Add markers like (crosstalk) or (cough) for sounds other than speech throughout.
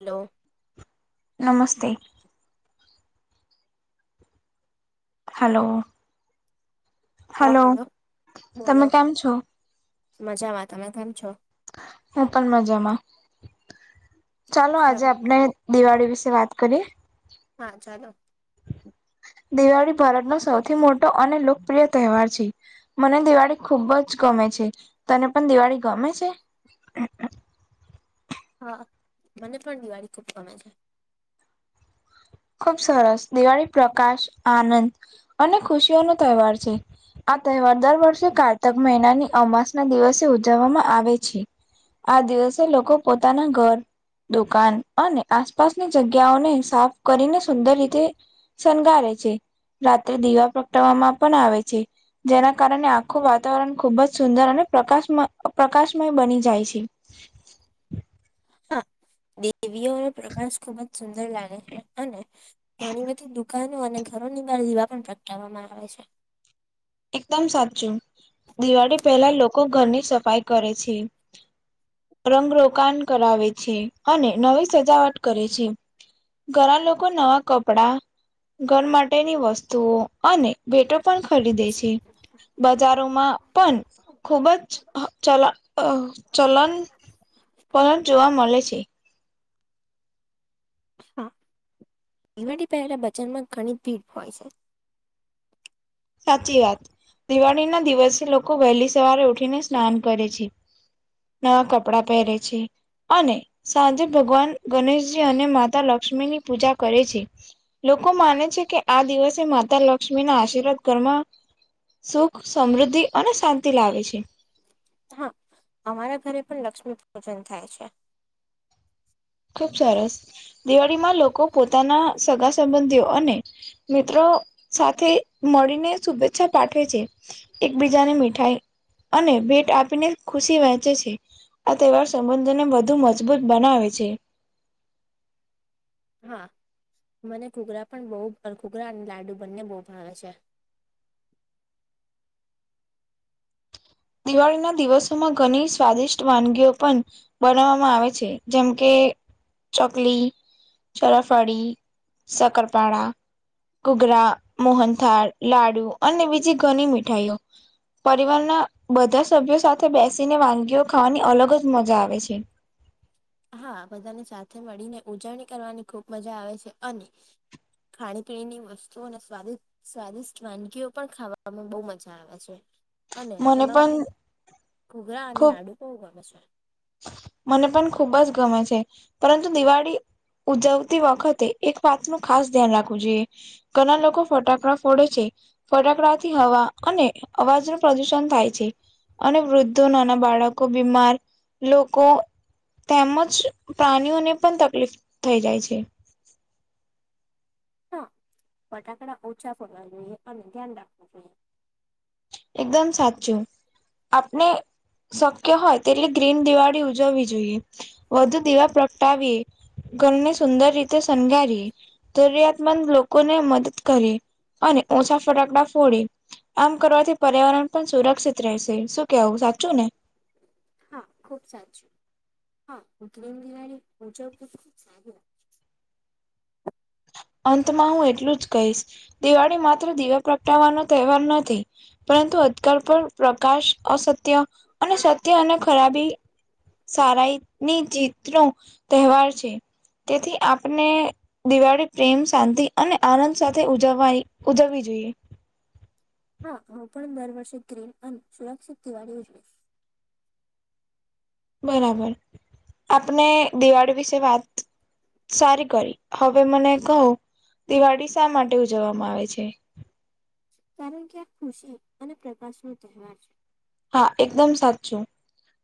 લો નમસ્તે. હલો હા હલો બોલો તમે કેમ છો મજામા તમે કેમ છો? એ પણ મજામાં ચાલો આજે સરસ આપને દિવાળી વિશે વાત કરીએ. હા ચાલો દિવાળી ભારતનો સૌથી મોટો અને લોકપ્રિય તહેવાર છે. મને દિવાળી ખુબ જ ગમે છે તને પણ દિવાળી ગમે છે હા. મને પણ દિવાળી ખુબ ગમે છે. ખુબ સરસ! દિવાળી પ્રકાશ, આનંદ અને ખુશીઓ નો તહેવાર છે, આ તહેવાર દર વર્ષે કાર્તક મહિનાની અમાસના દિવસે ઉજવવામાં આવે છે, આ દિવસે લોકો પોતાના ઘર, દુકાન અને આસપાસની જગ્યાઓને સાફ કરીને સુંદર રીતે, શનગારે છે, રાત્રે દીવા પ્રગટવામાં પન આવે છે, જેના કારણે આખું વાતાવરણ ખુબ જ સુંદર અને પ્રકાશમ, પ્રકાશમય બની જાય છે, હા, દેવીઓનો પ્રકાસા ખુબ જ સુંદર લાગે છે, અને ઘણી બધી દુકાનો અને ઘરોની બહાર દીવા પણ પ્રગટાવવામાં આવે છે, એકદમ સાચું, દિવાળી પહેલા લોકો ઘરની સફાઈ કરે છે, રંગરોગાન કરાવે છે, અને નવી સજાવટ કરે છે, ઘણા લોકો નવા કપડા, ઘર માટેની વસ્તુઓ અને ભેટો પણ ખરીદે છે, બજારોમાં પણ, ખુબ જ ચલા, અ, ચલનપલ જોવા મલે છે, હા, દિવાળી પહેલા બજારમાં ઘણી ભીડ હોય છે, સાચી વાત, દિવાળીના દિવસે લોકો વહેલી સવારે ઉઠીને સ્નાન કરે છે, ના કપડા પહેરે છે. અને સાંજે ભગવાન ગણેશજી અને માતા લક્ષ્મીની પૂજા કરે છે. લોકો માને છે, કે આ દિવસે માતા લક્ષ્મી ના આશીર્વાદ. ધરમાં સુખ સમૃદ્ધિ અને શાંતિ લાવે છે. હા અમારા ઘરે પણ લક્ષ્મી પૂજન થાય છે. ખુબ સરસ દિવાળીમાં લોકો પોતાના સગા સંબંધીઓ અને મિત્રો સાથે મળીને શુભેચ્છા પાઠવે છે- એકબીજાને મીઠાઈ અને ભેટ આપીને ખુશી વહેંચે છે. આ તહેવાર સમુદ્રને વધુ મજબૂત બનાવે છે. હા મને ઘૂઘરા પણ બહ ઘૂઘરા અને લાડુ બંને બહુ ભાવ છે. દિવાળી ના દિવસોમાં ઘણી સ્વાદિષ્ટ વાનગીઓ પણ બનાવવામાં આવે છે, જેમ કે ચોકલી- ચરાફડી, શકરપાડા- કુગરા મોહનથળ લાડુ અને બીજી ઘણી મીઠાઈઓ- પરિવારના બધા સભ્યો સાથે બેસીને વાનગીઓ ખાવાની અલગ જ મજા આવે છે. હા બધાને સાથે મળીને ઉજવણી કરવાની ખૂબ મજા આવે છે, અને- ખાણી પીણીની વસ્તુઓને સ્વાદિત - સ્વાદિષ્ટ વાનગીઓ પણ ખાવામાં બહુ મજા આવે છે. અને એમાં મને ઘૂઘરા અને ખૂબ લાડુ બહુ ગમે છે. મને પણ ખુબ જ ગમે છે, પરંતુ દિવાળી ઉજવતી વખતે એક વાત નું ખાસ ધ્યાન રાખવું જોઈએ- ઘણા લોકો ફટાકડા ફોડે છે. ફટાકડાથી હવા અને અવાજનું પ્રદુષણ થાય છે. અને વૃદ્ધો નાના બાળકો બીમાર- લોકો તેમજ પ્રાણીઓને પણ તકલીફ થઈ જાય છે- હા ફટાકડા ઓછા ફરવા જોઈએ અને ધ્યાન રાખવું જોઈએ- એકદમ સાચું- આપણે શક્ય હોય તે એટલે ગ્રીન દિવાળી ઉજવવી જોઈએ- વધુ દીવા પ્રગટાવી ઘરને સુંદર રીતે શણગારી- ધર્યાયાત મંદ લો- કોને મદદને કરીે અને ઓછા ફટાકડા ફોડી આમ કરવાથી- પર્યાવરણ પણ સુરક્ષિત રહેશે શું કેવું સાચું ને- હા ખુબ સાચું હા ગ્રીમ દિવાળી મુજબ બી ખુબ સારી વાત- અંતમાં હું એટલું જ કહીશ દિવાળી માત્ર દીવા પ્રગટાવવાનો તહેવાર નથી- પરંતુ અજકાલ પર પ્રકાશ અસત્ય અને સત્ય અને ખરાબી- સારાઈ ની જીતનો તહેવાર છે. તેથી આપને દિવાળી- પ્રેમ શાંતિ અને આનંદ સાથે ઉજવવા ઉજવવી જોઈએ- હા હું પણ દર વર્ષે ગ્રીન અને સુરક્ષિત દિવાળી ઉ જોઈશ- બરાબર આપને દિવાળી વિશે વાત સારી કરી- હવે મને કહું દિવાળી શા માટે ઉજવવામાં આવે છે. કારણ કે આ ખુશી અને પ્રકાશ નો તહેવાર છે. હા એકદમ સાચું-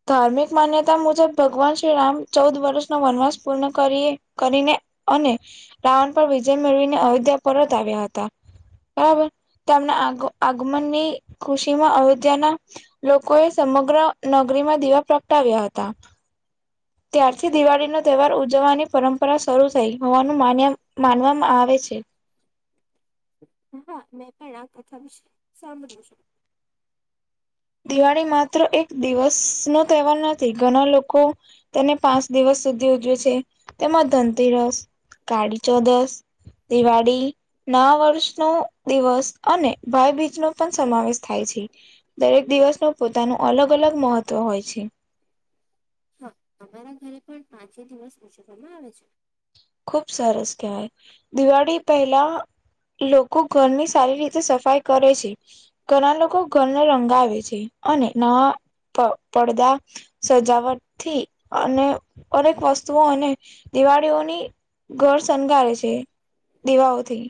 ધાર્મિક માન્યતા મુજબ ભગવાન શ્રીરામ ચૌદ વર્ષનો વનવાસ પૂર્ણ કરી કરીને- અને રાઉન્ડ પર વિજય મેળવીને અયોધ્યા પરત આવ્યા હતા- બરાબર તેમના આ આગમન ની ખુશી માં અયોધ્યાના- લોકોએ સમગ્ર નગરીમાં દીવા પ્રગટાવ્યા હતા- ત્યારથી દિવાળીનો તહેવાર ઉજવવાની પરંપરા- શરૂ થઈ હોવાનું માન માનવામાં આવે છે. હા મેં પણ આ કથા વિશે સાંભળ્યું છે. દિવાળી માત્ર એક દિવસ નો તહેવાર નથી ઘણા લોકો તેને પાંચ દિવસ સુધી ઉજવે છે તેમાં ધનતેરસ કાળી ચૌદસ દિવાળ નવાવર્ષનો દિવસ અને ભાઈબીજ નો પણ સમાવેશ થાય છે દરેક દિવસનું પોતાનું અલગ અલગ મહત્વ હોય છે હા અમારા ઘરે પણ પાંચે દિવસ ઉજવવામાં આવે છે ખુબ સરસ કહેવાય દિવાળી પહેલા લોકો ઘરની સારી રીતે સફાઈ કરે છે ઘણા લોકો ઘરને રંગાવે છે અને નવા પ પડદા સજાવટથી અને અનેક વસ્તુઓ અને દિવાળી તેઓની ઘર શણગારે છે દીવાઓથી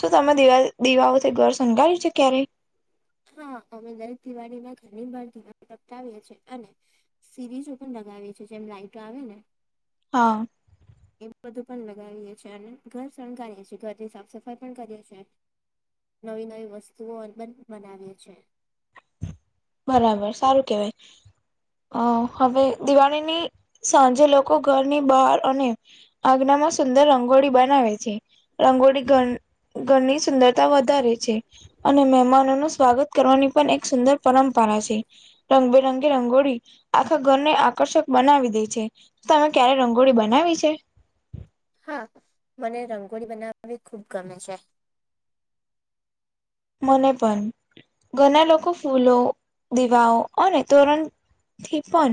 શું તમે દીવા દીવાઓથી ઘર શણગાયું છે ક્યારેય હા અમે દરેક દિવાળીમાં ઘણી વાર દિવા પ્રગટાવીએ છીએ અને સીરીઝો પણ લગાવીએ છીએ જેમ લાઈટો આવે ને હા એ બધું પણ લગાવીએ છીએ અને ઘર શણગારીએ છીએ ઘરની સાફ સફાઈ પણ કરીએ છીએ નવી નવી વસ્તુઓ પણ બનાવીએ છે બરાબર સારું કેવાય અ હવે દિવાળીની સાંજે લોકો ઘરની બહાર અને આગણાં માં સુંદર રંગોળી બનાવે છે રંગોળી ઘ ઘરની સુંદરતા વધારે છે અને મહેમાનોનું સ્વાગત કરવાની પણ એક સુંદર પરંપરા છે રંગબેરંગી રંગોળી આખા ઘરને આકર્ષક બનાવી દે છે તમે ક્યારેક રંગોળી બનાવી છે હા મને રંગોળી બનાવવી ખુબ ગમે છે મને પણ ઘણા લોકો ફૂલો દીવાઓ અને તોરણ થી પણ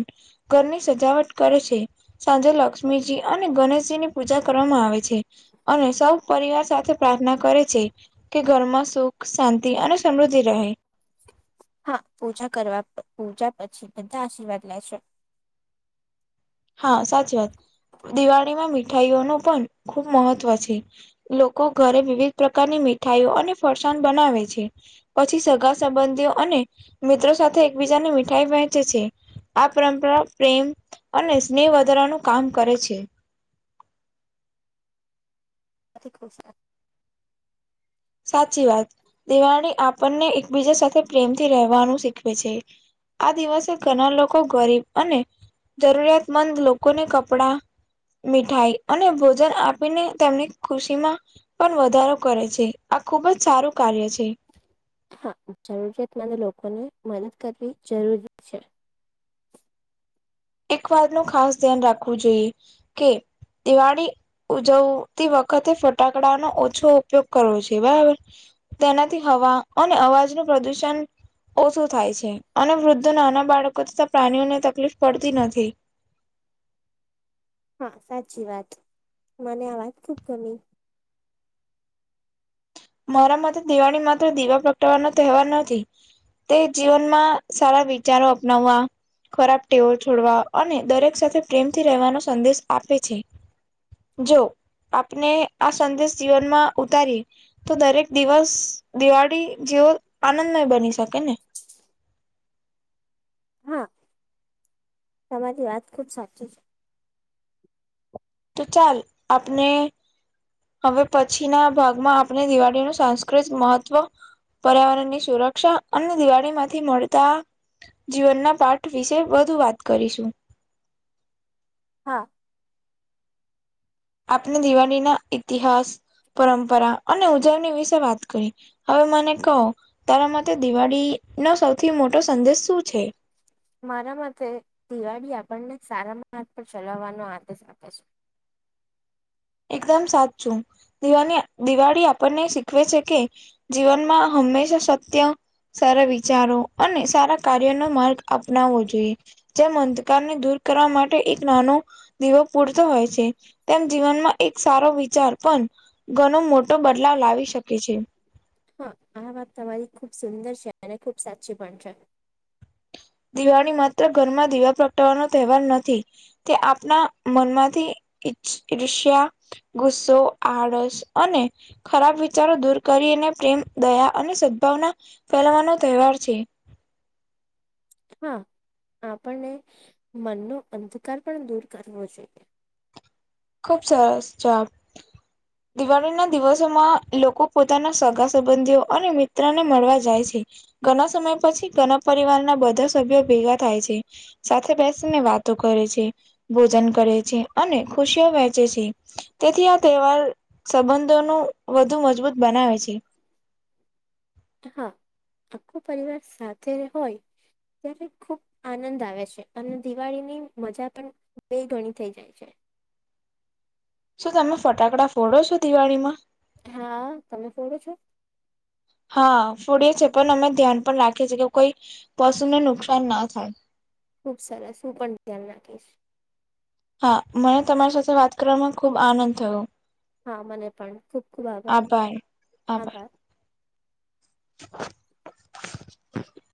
ઘરની સજાવટ કરે છે સાંજે લક્ષ્મીજી અને ગણેશજીની પૂજા કરવામાં આવે છે અને સૌ પરિવાર સાથે પ્રાર્થના કરે છે કે ઘરમાં સુખ શાંતિ અને સમૃદ્ધિ રહે હા પૂજા કરવા પૂજા પછી બધા આશીર્વાદ લે છે હા સાચી વાત દિવાળીમાં મીઠાઈઓનુ પણ ખુબ મહત્વ છે લોકો ઘરે વિવિધ પ્રકારની મીઠાઈઓ અને ફરસાણ બનાવે છે પછી સગા સંબંધીઓ અને મિત્રો સાથે એકબીજાને મીઠાઈ વહેંચે છે આ પરંપરા પ્રેમ અને સ્નેહ વધારવાનું કામ કરે છે આથી ખુશ થાય સાચી વાત દિવાળી આપણને એકબીજા સાથે પ્રેમથી રહેવાનું શીખવે છે આ દિવસે ઘણા લોકો ગરીબ અને જરૂરિયાતમંદ લોકોને કપડા મીઠાઈ અને ભોજન આપીને તેમની ખુશીમાં પણ વધારો કરે છે આ ખુબ જ સારું કાર્ય છે હા જરૂરિયાતમંદ લોકોને મદદ કરવી જરૂરી છે એક વાત નું ખાસ ધ્યાન રાખવું જોઈએ કે દિવાળી ઉજવતી વખતે ફટાકડાનો ઓછો ઉપયોગ કરવો છે બરાબર તેનાથી હવા અને અવાજનું પ્રદુષણ ઓછું થાય છે અને વૃદ્ધો નાના બાળકો તથા પ્રાણીઓને તકલીફ પડતી નથી હા સાચી વાત મને આ વાત ખુબ ગમી મારા માટે દિવાળી માત્ર દીવા પ્રગટાવાનો તહેવાર નથી તે જીવનમાં સારા વિચારો અપનાવવા ખરાબ ટેવો છોડવા અને દરેક સાથે પ્રેમથી રહેવાનો સંદેશ આપે છે જો આપને આ સંદેશ જીવનમાં ઉતારી તો દરેક દિવસ દિવાળી જેવો આનંદમય બની શકે ને હા તમારી વાત ખુબ સાચી છે તો ચાલ આપને હવે પછી ના ભાગમાં આપણે દિવાળીનું સાંસ્કૃત મહત્વ પર્યાવરણ ની સુરક્ષા અને દિવાળી માંથી મળતા જીવનના પાઠ વિશે વધુ વાત કરીશું. હા આપણે દિવાળી ના ઈતિહાસ પરંપરા અને ઉજવણી વિશે વાત કરી હવે મને કહો તારા માટે દિવાળી નો સૌથી મોટો સંદેશ શું છે મારા માટે દિવાળી આપણને સારા માર્ગ પર ચલાવવાનો આદેશ આપે છે એકદમ સાચું દિ દિવાળી આપણને શીખવે છે કે જીવનમાં હંમેશા સત્ય સારા વિચારો અને સારા કાર્ય નો માર્ગ અપનાવવો જોઈએ જેમ અંધકારને દૂર કરવા માટે એક નાનો દીવો પૂરતો હોય છે તેમ જીવનમાં એક સારો વિચાર પણ ઘણો મોટો બદલાવ લાવી શકે છે હા આ વાત તમારી ખુબ સુંદર છે અને ખુબ સાચી પણ છે દિવાળી માત્ર ઘરમાં દીવા પ્રગટાવાનો તહેવાર નથી તે આપના મનમાંથી ઈછ ઈર્ષ્યા ગુસ્સો આળસ અને ખરાબ વિચારો દૂર કરીને પ્રેમ દયા અને સદભાવના ફેલવાનો તહેવાર છે હા આપણને મનનો અંધકાર પણ દૂર કરવો જોઈએ ખૂબ સરસ જોબ દિવાળી ના દિવસોમાં લોકો પોતાના સગા સંબંધીઓ અને મિત્રને મળવા જાય છે ઘણા સમય પછી ઘણા પરિવારના બધા સભ્યો ભેગા થાય છે સાથે બેસીને વાતો કરે છે ભોજન કરે છે અને ખુશીઓ વહેંચે છે તેથી આ તહેવાર સંબંધોનું વધુ મજબૂત બનાવે છે હા આખો પરિવાર સાથે હોય ત્યારે ખુબ આનંદ આવે છે અને દિવાળીની મજા પણ બે ગણી થઈ જાય છે શું તમે ફટાકડા ફોડો છો દિવાળીમાં હા તમે ફોડો છો? હા ફોડીએ છે પણ અમે ધ્યાન પણ રાખીએ છીએ કે કોઈ પશુને નુકસાન ના થાય. ખુબ સરસ હું પણ ધ્યાન રાખીશ. હા, મને તમારી સાથે વાત કરવામાં ખુબ આનંદ થયો. હા, મને પણ ખૂબ ખૂબ આભાર આભાર. (inaudible)